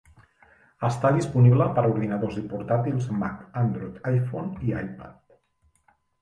Està disponible per a ordinadors i portàtils Mac, Android, iPhone i iPad.